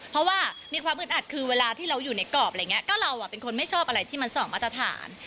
เพราะว่ามีความอึดอัดคือเวลาที่เราอยู่ในกรอบอะไรอย่างนี้ก็เราเป็นคนไม่ชอบอะไรที่มันสองมาตรฐาน